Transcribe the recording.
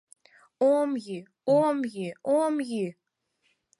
— Ом йӱ, ом йӱ, ом йӱ!..